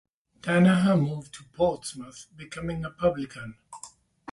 Danaher moved to Portsmouth, becoming a publican.